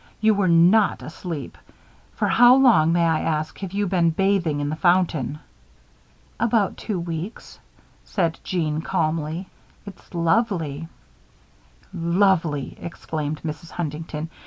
"You were not asleep. For how long, may I ask, have you been bathing in the fountain?" "About two weeks," said Jeanne, calmly. "It's lovely." "Lovely!" exclaimed Mrs. Huntington.